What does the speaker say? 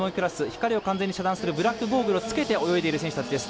光を完全に遮断するブラックゴーグルを着けて泳いでいる選手たちです。